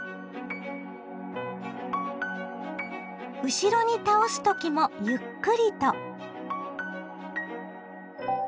後ろに倒す時もゆっくりと。